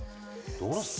どうですか？